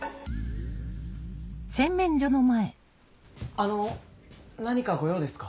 あの何かご用ですか？